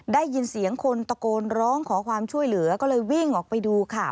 ได้ยินเสียงคนตะโกนร้องขอความช่วยเหลือก็เลยวิ่งออกไปดูค่ะ